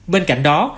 bên cạnh đó